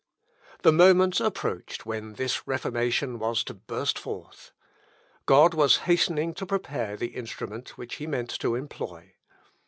The moment approached when this reformation was to burst forth. God was hastening to prepare the instrument which he meant to employ.